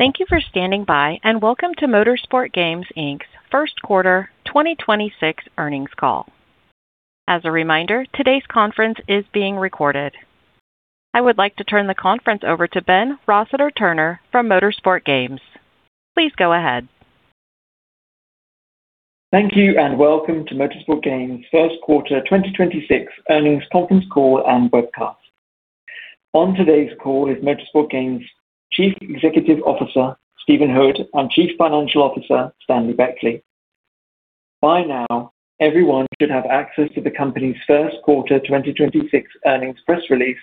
Thank you for standing by, and welcome to Motorsport Games Inc.'s Q1 2026 Earnings Call. As a reminder, today's conference is being recorded. I would like to turn the conference over to Ben Rossiter-Turner from Motorsport Games. Please go ahead. Thank you, and welcome to Motorsport Games' Q1 2026 Earnings Conference Call and Webcast. On today's call is Motorsport Games' Chief Executive Officer, Stephen Hood, and Chief Financial Officer, Stanley Beckley. By now, everyone should have access to the company's Q1 2026 earnings press release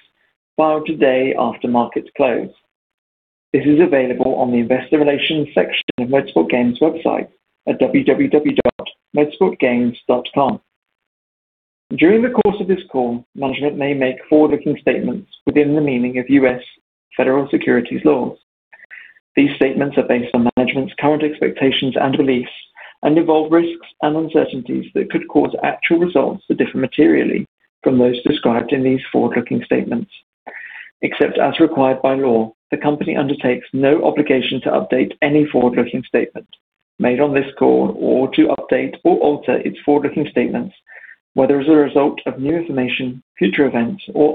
filed today after markets closed. This is available on the investor relations section of Motorsport Games' website at www.motorsportgames.com. During the course of this call, management may make forward-looking statements within the meaning of U.S. federal securities laws. These statements are based on management's current expectations and beliefs and involve risks and uncertainties that could cause actual results to differ materially from those described in these forward-looking statements. Except as required by law, the company undertakes no obligation to update any forward-looking statement made on this call or to update or alter its forward-looking statements, whether as a result of new information, future events, or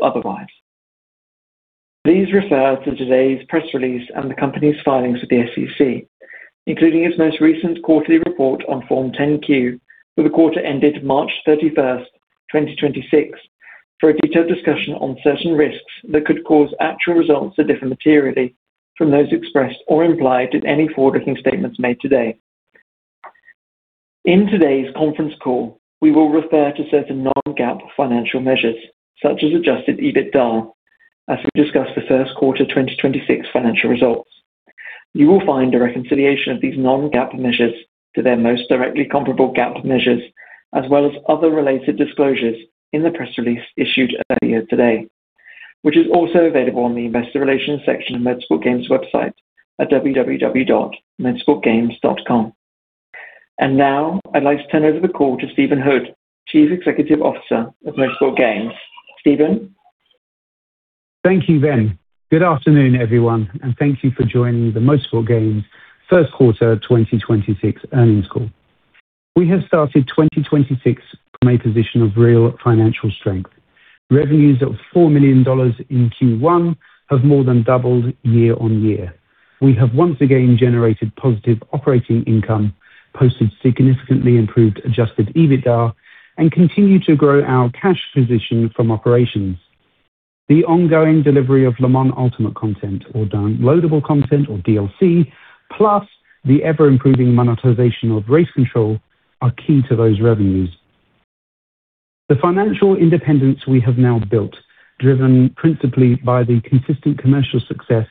otherwise. Please refer to today's press release and the company's filings with the SEC, including its most recent quarterly report on Form 10-Q for the quarter ended March 31, 2026, for a detailed discussion on certain risks that could cause actual results to differ materially from those expressed or implied in any forward-looking statements made today. In today's conference call, we will refer to certain non-GAAP financial measures, such as adjusted EBITDA, as we discuss the Q1 2026 financial results. You will find a reconciliation of these non-GAAP measures to their most directly comparable GAAP measures as well as other related disclosures in the press release issued earlier today, which is also available on the investor relations section of Motorsport Games' website at www.motorsportgames.com. Now I'd like to turn over the call to Stephen Hood, Chief Executive Officer of Motorsport Games. Stephen? Thank you, Ben. Good afternoon, everyone, and thank you for joining the Motorsport Games Q1 2026 earnings call. We have started 2026 from a position of real financial strength. Revenues of $4 million in Q1 have more than doubled year on year. We have once again generated positive operating income, posted significantly improved adjusted EBITDA, and continue to grow our cash position from operations. The ongoing delivery of Le Mans Ultimate content or downloadable content or DLC, plus the ever-improving monetization of RaceControl are key to those revenues. The financial independence we have now built, driven principally by the consistent commercial success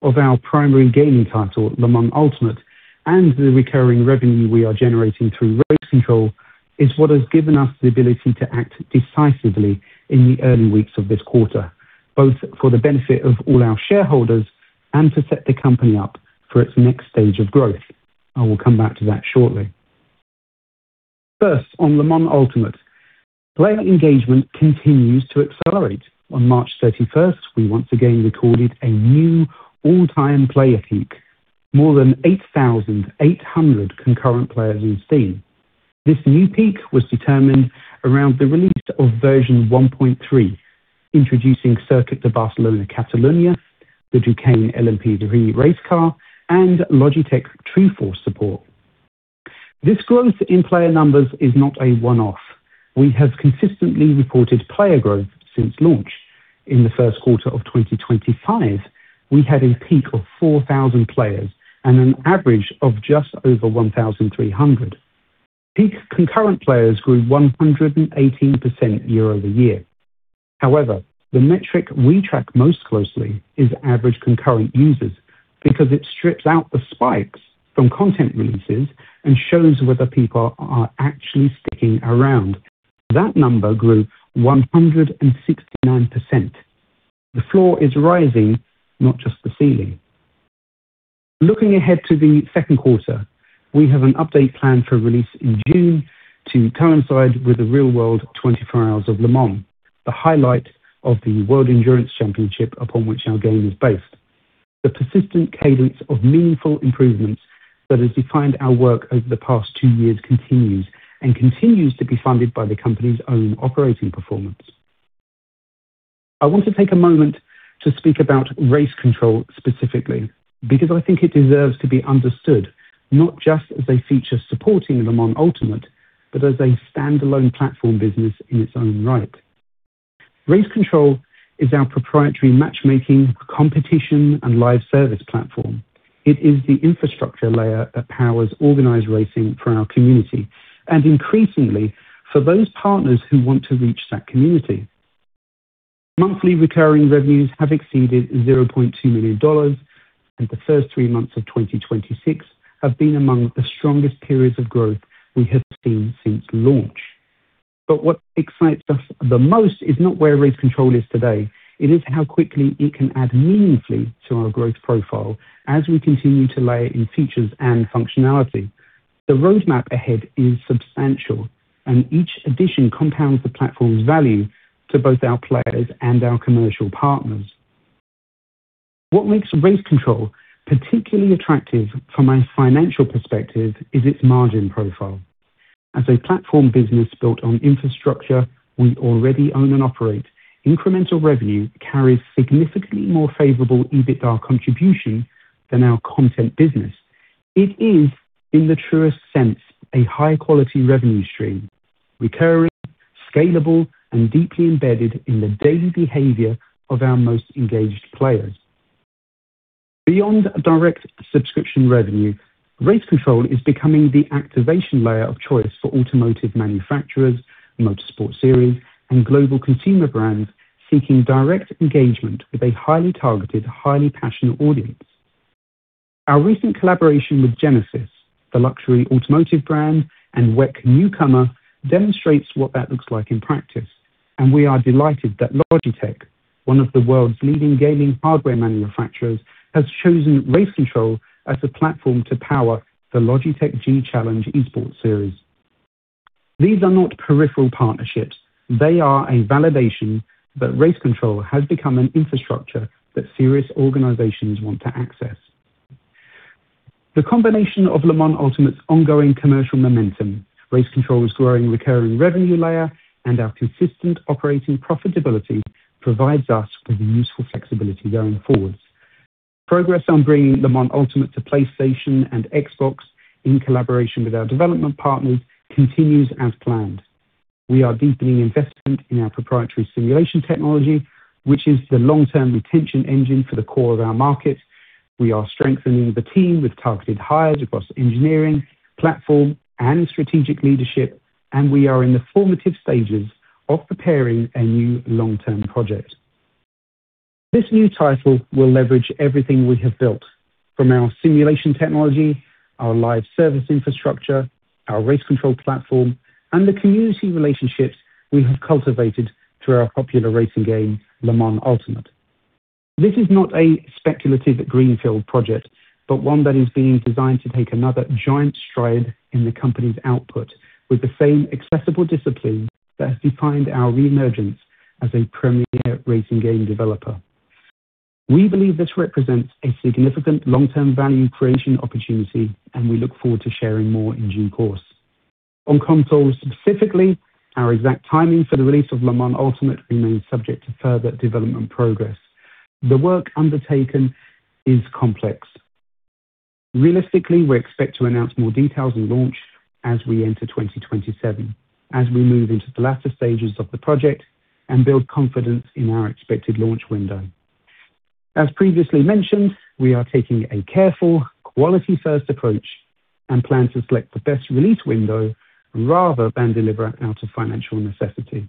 of our primary gaming title, Le Mans Ultimate, and the recurring revenue we are generating through RaceControl, is what has given us the ability to act decisively in the early weeks of this quarter, both for the benefit of all our shareholders and to set the company up for its next stage of growth. I will come back to that shortly. On Le Mans Ultimate, player engagement continues to accelerate. On March 31st, we once again recorded a new all-time player peak, more than 8,800 concurrent players in Steam. This new peak was determined around the release of version 1.3, introducing Circuit de Barcelona-Catalunya, the Duqueine LMP3 race car, and Logitech TRUEFORCE support. This growth in player numbers is not a one-off. We have consistently reported player growth since launch. In the Q1 of 2025, we had a peak of 4,000 players and an average of just over 1,300. Peak concurrent players grew 118% year over year. However, the metric we track most closely is average concurrent users because it strips out the spikes from content releases and shows whether people are actually sticking around. That number grew 169%. The floor is rising, not just the ceiling. Looking ahead to the Q2, we have an update planned for release in June to coincide with the real world 24 Hours of Le Mans, the highlight of the World Endurance Championship upon which our game is based. The persistent cadence of meaningful improvements that has defined our work over the past two years continues and continues to be funded by the company's own operating performance. I want to take a moment to speak about RaceControl specifically because it deserves to be understood, not just as a feature supporting Le Mans Ultimate, but as a standalone platform business in its own right. RaceControl is our proprietary matchmaking, competition, and live service platform. It is the infrastructure layer that powers organized racing for our community and increasingly for those partners who want to reach that community. Monthly recurring revenues have exceeded $0.2 million, and the first three months of 2026 have been among the strongest periods of growth we have seen since launch. What excites us the most is not where RaceControl is today, it is how quickly it can add meaningfully to our growth profile as we continue to layer in features and functionality. The roadmap ahead is substantial, and each addition compounds the platform's value to both our players and our commercial partners. What makes RaceControl particularly attractive from a financial perspective is its margin profile. As a platform business built on infrastructure we already own and operate, incremental revenue carries significantly more favorable EBITDA contribution than our content business. It is, in the truest sense, a high-quality revenue stream, recurring, scalable, and deeply embedded in the daily behavior of our most engaged players. Beyond direct subscription revenue, RaceControl is becoming the activation layer of choice for automotive manufacturers, motorsport series, and global consumer brands seeking direct engagement with a highly targeted, highly passionate audience. Our recent collaboration with Genesis, the luxury automotive brand and WEC newcomer, demonstrates what that looks like in practice, and we are delighted that Logitech, one of the world's leading gaming hardware manufacturers, has chosen RaceControl as the platform to power the Logitech G Challenge Esports Series. These are not peripheral partnerships. They are a validation that RaceControl has become an infrastructure that serious organizations want to access. The combination of Le Mans Ultimate's ongoing commercial momentum, RaceControl's growing recurring revenue layer, and our consistent operating profitability provides us with a useful flexibility going forwards. Progress on bringing Le Mans Ultimate to PlayStation and Xbox in collaboration with our development partners continues as planned. We are deepening investment in our proprietary simulation technology, which is the long-term retention engine for the core of our market. We are strengthening the team with targeted hires across engineering, platform, and strategic leadership, and we are in the formative stages of preparing a new long-term project. This new title will leverage everything we have built from our simulation technology, our live service infrastructure, our RaceControl platform, and the community relationships we have cultivated through our popular racing game, Le Mans Ultimate. This is not a speculative greenfield project, but one that is being designed to take another giant stride in the company's output with the same accessible discipline that has defined our reemergence as a premier racing game developer. We believe this represents a significant long-term value creation opportunity, and we look forward to sharing more in due course. On consoles specifically, our exact timing for the release of Le Mans Ultimate remains subject to further development progress. The work undertaken is complex. Realistically, we expect to announce more details on launch as we enter 2027, as we move into the latter stages of the project and build confidence in our expected launch window. As previously mentioned, we are taking a careful, quality-first approach and plan to select the best release window rather than deliver out of financial necessity.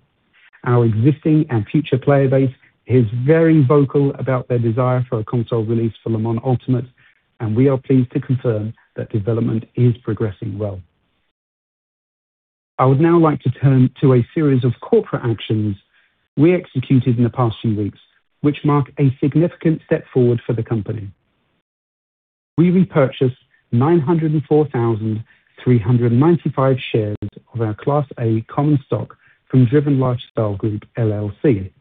Our existing and future player base is very vocal about their desire for a console release for Le Mans Ultimate, and we are pleased to confirm that development is progressing well. I would now like to turn to a series of corporate actions we executed in the past few weeks, which mark a significant step forward for the company. We repurchased 904,395 shares of our Class A common stock from Driven Lifestyle Group LLC.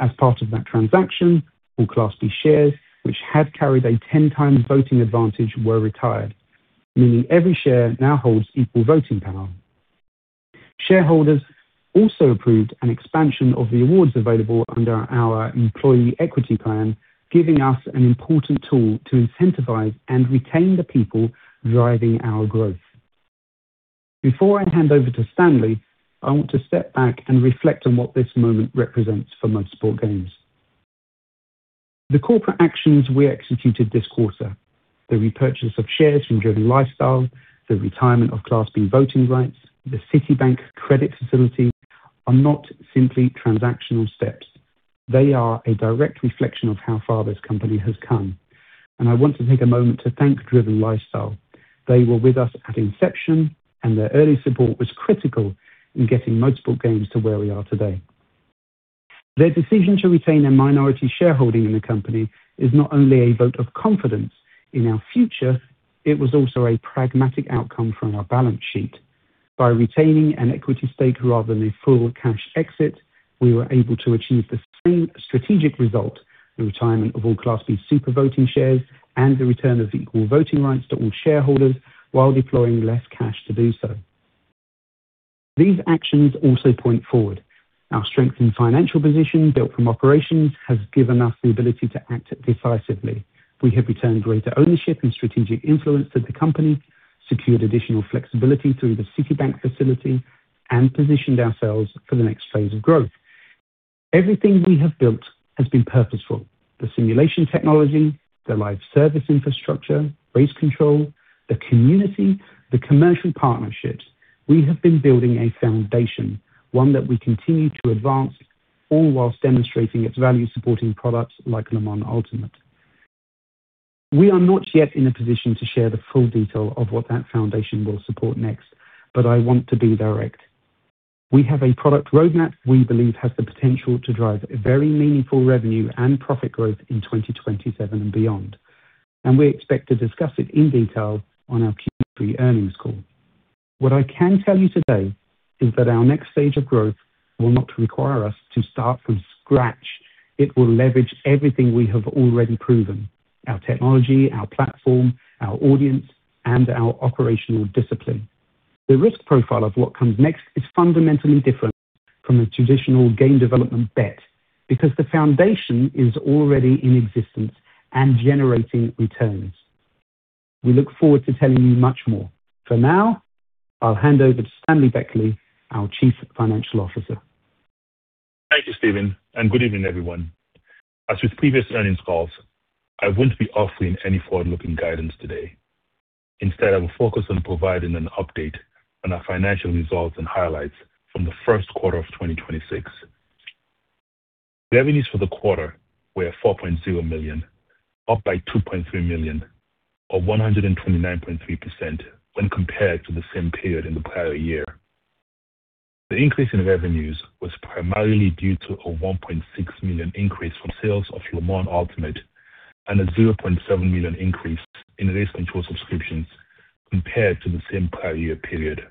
As part of that transaction, all Class B shares which had carried a 10-time voting advantage were retired, meaning every share now holds equal voting power. Shareholders also approved an expansion of the awards available under our employee equity plan, giving us an important tool to incentivize and retain the people driving our growth. Before I hand over to Stanley, I want to step back and reflect on what this moment represents for Motorsport Games. The corporate actions we executed this quarter, the repurchase of shares from Driven Lifestyle, the retirement of Class B voting rights, the Citibank credit facility are not simply transactional steps. They are a direct reflection of how far this company has come, and I want to take a moment to thank Driven Lifestyle. They were with us at inception, and their early support was critical in getting Motorsport Games to where we are today. Their decision to retain a minority shareholding in the company is not only a vote of confidence in our future, it was also a pragmatic outcome from our balance sheet. By retaining an equity stake rather than a full cash exit, we were able to achieve the same strategic result, the retirement of all Class B super voting shares and the return of equal voting rights to all shareholders while deploying less cash to do so. These actions also point forward. Our strength and financial position built from operations has given us the ability to act decisively. We have returned greater ownership and strategic influence to the company, secured additional flexibility through the Citibank facility, and positioned ourselves for the next phase of growth. Everything we have built has been purposeful. The simulation technology, the live service infrastructure, RaceControl, the community, the commercial partnerships. We have been building a foundation, one that we continue to advance, all whilst demonstrating its value-supporting products like Le Mans Ultimate. We are not yet in a position to share the full detail of what that foundation will support next, but I want to be direct. We have a product roadmap we believe has the potential to drive a very meaningful revenue and profit growth in 2027 and beyond, and we expect to discuss it in detail on our Q3 earnings call. What I can tell you today is that our next stage of growth will not require us to start from scratch. It will leverage everything we have already proven: our technology, our platform, our audience, and our operational discipline. The risk profile of what comes next is fundamentally different from a traditional game development bet because the foundation is already in existence and generating returns. We look forward to telling you much more. For now, I'll hand over to Stanley Beckley, our Chief Financial Officer. Thank you, Stephen, and good evening, everyone. As with previous earnings calls, I won't be offering any forward-looking guidance today. Instead, I will focus on providing an update on our financial results and highlights from the Q1 of 2026. Revenues for the quarter were $4.0 million, up by $2.3 million, or 129.3% when compared to the same period in the prior year. The increase in revenues was primarily due to a $1.6 million increase from sales of Le Mans Ultimate and a $0.7 million increase in RaceControl subscriptions compared to the same prior year period.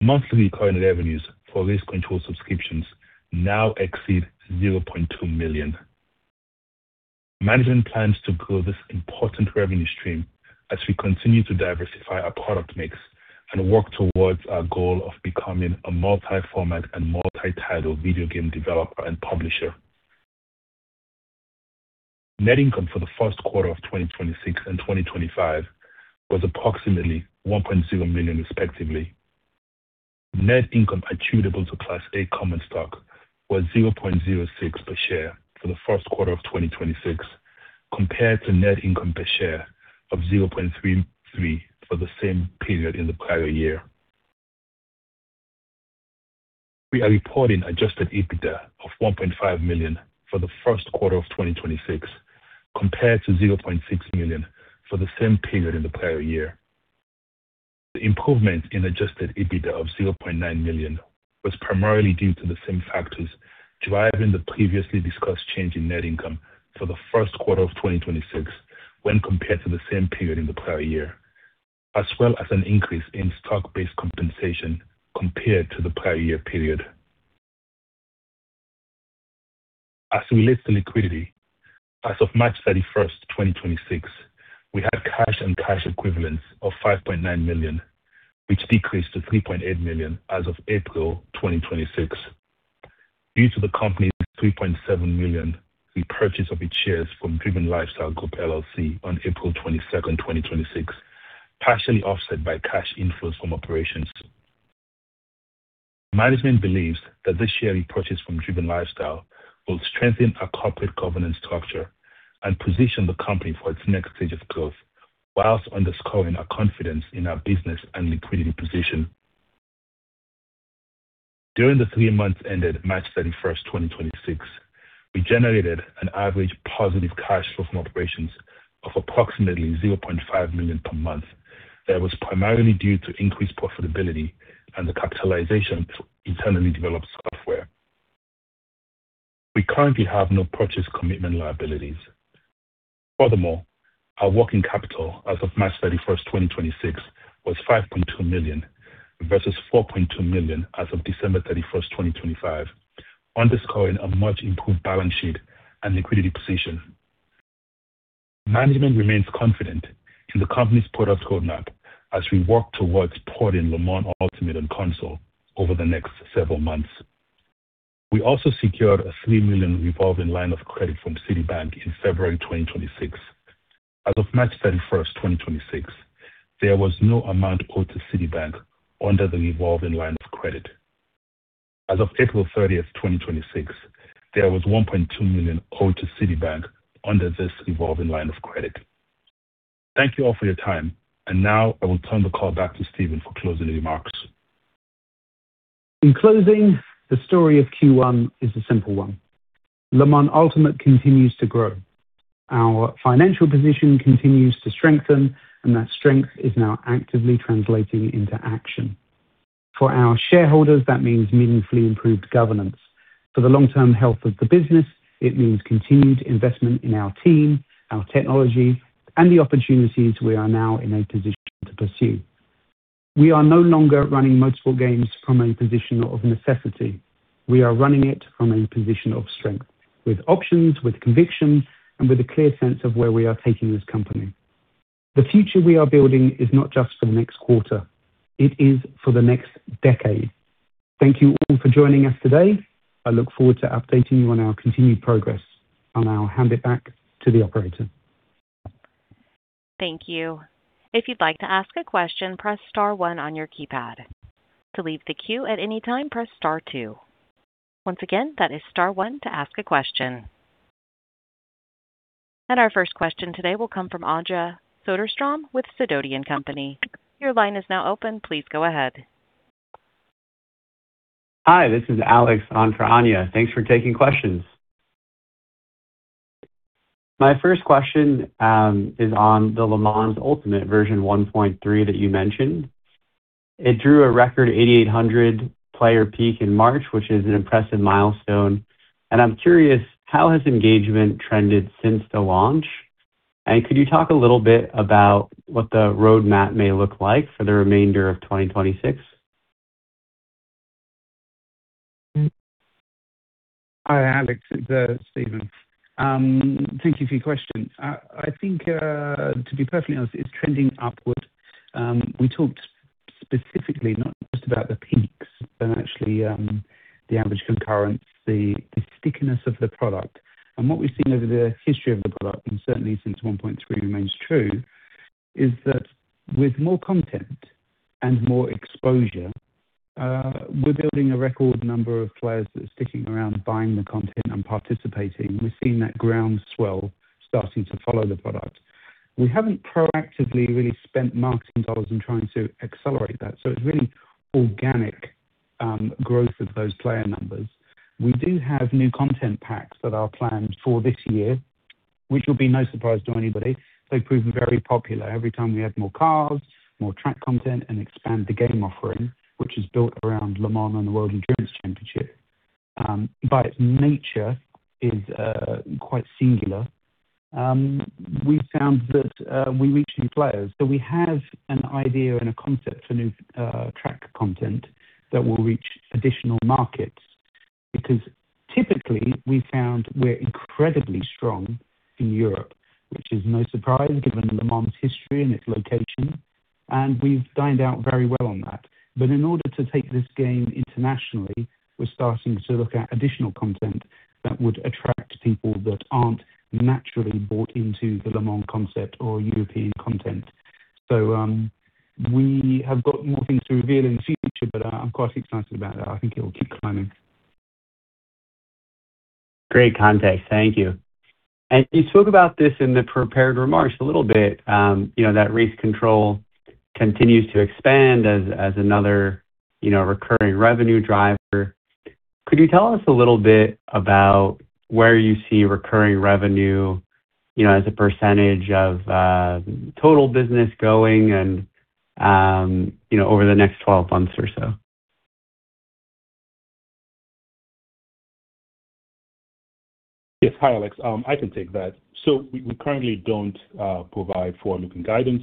Monthly recurring revenues for RaceControl subscriptions now exceed $0.2 million. Management plans to grow this important revenue stream as we continue to diversify our product mix and work towards our goal of becoming a multi-format and multi-title video game developer and publisher. Net income for the Q1 of 2026 and 2025 was approximately $1.0 million respectively. Net income attributable to Class A common stock was $0.06 per share for the Q1 of 2026, compared to net income per share of $0.33 for the same period in the prior year. We are reporting adjusted EBITDA of $1.5 million for the Q1 of 2026, compared to $0.6 million for the same period in the prior year. The improvement in adjusted EBITDA of $0.9 million was primarily due to the same factors driving the previously discussed change in net income for the Q1 of 2026 when compared to the same period in the prior year, as well as an increase in stock-based compensation compared to the prior year period. As it relates to liquidity, as of March 31, 2026, we had cash and cash equivalents of $5.9 million, which decreased to $3.8 million as of April 2026. Due to the company's $3.7 million repurchase of its shares from Driven Lifestyle Group LLC on April 22, 2026, partially offset by cash inflows from operations. Management believes that this share repurchase from Driven Lifestyle will strengthen our corporate governance structure and position the company for its next stage of growth whilst underscoring our confidence in our business and liquidity position. During the three months ended March 31, 2026, we generated an average positive cash flow from operations of approximately $0.5 million per month. That was primarily due to increased profitability and the capitalization for internally developed software. We currently have no purchase commitment liabilities. Furthermore, our working capital as of March 31, 2026, was $5.2 million versus $4.2 million as of December 31, 2025, underscoring a much improved balance sheet and liquidity position. Management remains confident in the company's product roadmap as we work towards porting Le Mans Ultimate on console over the next several months. We also secured a $3 million revolving line of credit from Citibank in February 2026. As of March 31st, 2026, there was no amount owed to Citibank under the revolving line of credit. As of April 30th, 2026, there was $1.2 million owed to Citibank under this revolving line of credit. Thank you all for your time. Now I will turn the call back to Stephen for closing remarks. In closing, the story of Q1 is a simple one. Le Mans Ultimate continues to grow. Our financial position continues to strengthen, and that strength is now actively translating into action. For our shareholders, that means meaningfully improved governance. For the long-term health of the business, it means continued investment in our team, our technology, and the opportunities we are now in a position to pursue. We are no longer running multiple games from a position of necessity. We are running it from a position of strength, with options, with conviction, and with a clear sense of where we are taking this company. The future we are building is not just for the next quarter, it is for the next decade. Thank you all for joining us today. I look forward to updating you on our continued progress. I'll now hand it back to the operator. Our first question today will come from Anja Soderstrom with Sidoti & Company. Hi, this is Alex on for Anja. Thanks for taking questions. My first question is on the Le Mans Ultimate version 1.3 that you mentioned. It drew a record 8,800 player peak in March, which is an impressive milestone. I'm curious, how has engagement trended since the launch? Could you talk a little bit about what the roadmap may look like for the remainder of 2026? Hi, Alex, it's Stephen. Thank you for your question. To be perfectly honest, it's trending upward. We talked specifically not just about the peaks but actually, the average concurrent users, the stickiness of the product. What we've seen over the history of the product, and certainly since one point three remains true, is that with more content and more exposure, we're building a record number of players that are sticking around, buying the content and participating. We've seen that groundswell starting to follow the product. We haven't proactively really spent marketing dollars in trying to accelerate that, it's really organic growth of those player numbers. We do have new content packs that are planned for this year, which will be no surprise to anybody. They've proven very popular. Every time we add more cars, more track content, and expand the game offering, which is built around Le Mans and World Endurance Championship, by its nature is quite singular. We found that we reach new players. We have an idea and a concept for new track content that will reach additional markets. Because typically, we found we're incredibly strong in Europe, which is no surprise given Le Mans history and its location, and we've dined out very well on that. In order to take this game internationally, we're starting to look at additional content that would attract people that aren't naturally bought into the Le Mans concept or European content. We have got more things to reveal in the future, but I'm quite excited about that. It will keep climbing. Great context. Thank you. You spoke about this in the prepared remarks a little bit, that RaceControl continues to expand as another recurring revenue driver. Could you tell us a little bit about where you see recurring revenue as a percentage of total business going and over the next 12 months or so? Yes. Hi, Alex. I can take that. We currently don't provide forward-looking guidance,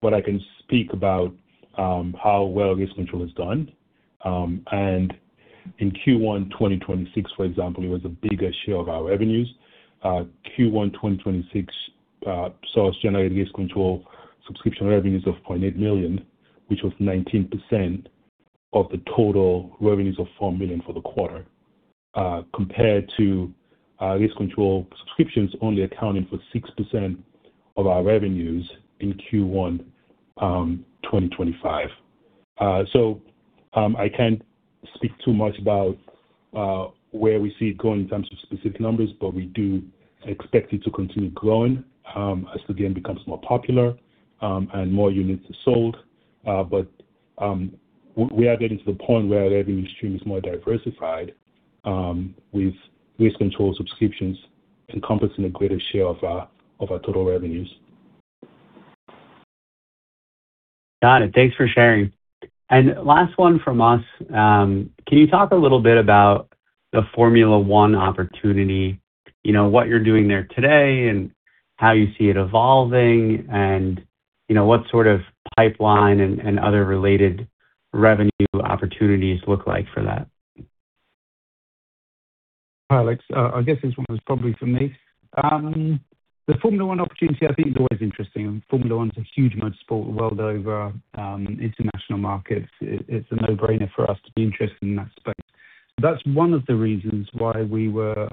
but I can speak about how well RaceControl has done. In Q1 2026, for example, it was a bigger share of our revenues. Q1 2026 saw us generating RaceControl subscription revenues of $0.8 million, which was 19% of the total revenues of $4 million for the quarter, compared to RaceControl subscriptions only accounting for 6% of our revenues in Q1 2025. I can't speak too much about where we see it going in terms of specific numbers, but we do expect it to continue growing as the game becomes more popular and more units are sold. We are getting to the point where revenue stream is more diversified, with RaceControl subscriptions encompassing a greater share of our, of our total revenues. Got it. Thanks for sharing. Last one from us, can you talk a little bit about the Formula One opportunity? What you're doing there today and how you see it evolving and what pipeline and other related revenue opportunities look like for that? Hi, Alex. I guess this one was probably for me. The Formula One opportunity is always interesting. Formula One's a huge motorsport the world over, international markets. It's a no-brainer for us to be interested in that space. That's one of the reasons why we were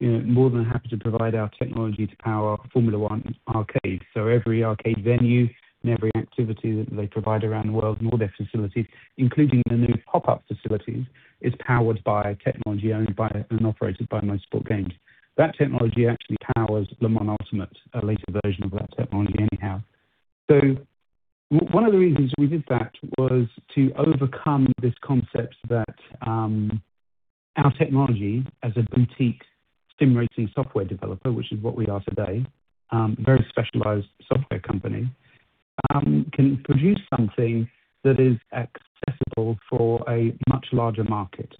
more than happy to provide our technology to power Formula One Arcade. Every arcade venue and every activity that they provide around the world in all their facilities, including the new pop-up facilities, is powered by technology owned by and operated by Motorsport Games. That technology actually powers Le Mans Ultimate, a later version of that technology anyhow. One of the reasons we did that was to overcome this concept that our technology as a boutique sim racing software developer, which is what we are today, very specialized software company, can produce something that is accessible for a much larger market.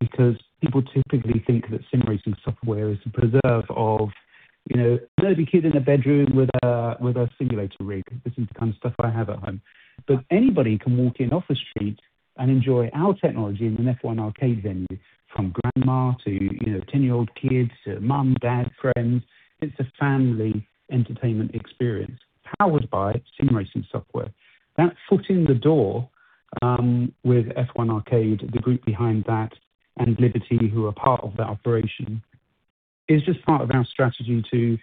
Because people typically think that sim racing software is the preserve of a nerdy kid in a bedroom with a simulator rig. This is the kind of stuff I have at home. Anybody can walk in off the street and enjoy our technology in an F1 Arcade venue, from grandma to 10-year-old kids to mom, dad, friends. It's a family entertainment experience powered by sim racing software. That foot in the door, with F1 Arcade, the group behind that, and Liberty, who are part of that operation, is just part of our strategy to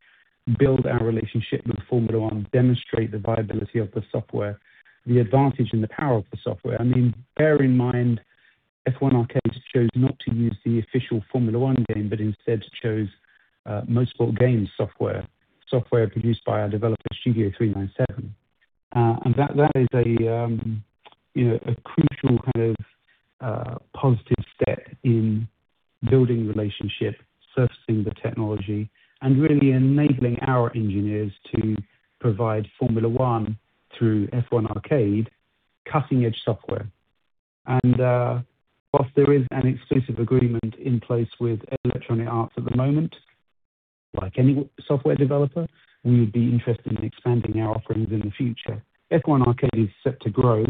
build our relationship with Formula One, demonstrate the viability of the software, the advantage and the power of the software. I mean, bear in mind, F1 Arcade chose not to use the official Formula One game, but instead chose Motorsport Games software produced by our developer Studio 397. That is a crucial kind of positive step in building relationship, surfacing the technology, and really enabling our engineers to provide Formula One through F1 Arcade cutting-edge software. Whilst there is an exclusive agreement in place with Electronic Arts at the moment, like any software developer, we would be interested in expanding our offerings in the future. F1 Arcade is set to grow,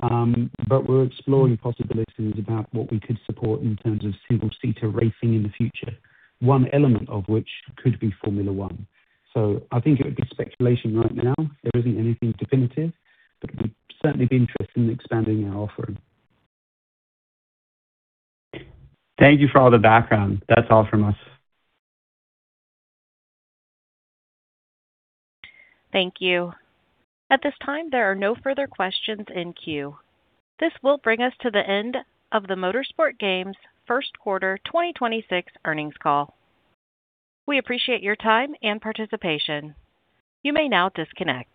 but we're exploring possibilities about what we could support in terms of single-seater racing in the future, one element of which could be Formula One. It would be speculation right now. There isn't anything definitive, but we'd certainly be interested in expanding our offering. Thank you for all the background. That is all from us. Thank you. At this time, there are no further questions in queue. This will bring us to the end of the Motorsport Games Q1 2026 earnings call. We appreciate your time and participation. You may now disconnect.